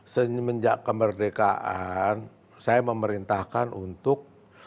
semenjak kemerdekaan saya memerintahkan untuk